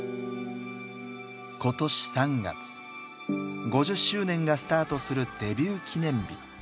今年３月５０周年がスタートするデビュー記念日。